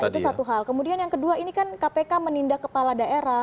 itu satu hal kemudian yang kedua ini kan kpk menindak kepala daerah